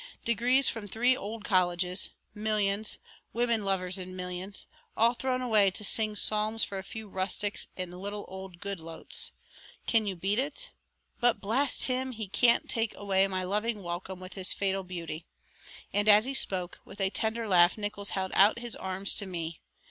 "Degrees from three old colleges, millions, women lovers in millions, all thrown away to sing psalms for a few rustics in little old Goodloets. Can you beat it? But, blast him, he can't take away my loving welcome with his fatal beauty," and as he spoke, with a tender laugh Nickols held out his arms to me.